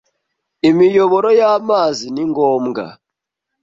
Imiyoboro ya amazi ni ngombwa